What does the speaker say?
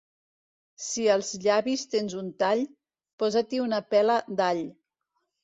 Si als llavis tens un tall, posa-t'hi una pela d'all.